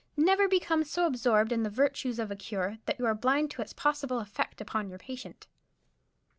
Never become so absorbed in the virtues of a cure that you are blind to its possible effect upon your patient."